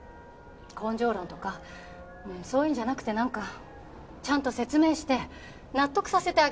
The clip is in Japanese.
根性論とかそういうのじゃなくてなんかちゃんと説明して納得させてあげないと。